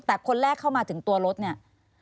แต่คนแรกเข้ามาถึงตัวรถเนี่ย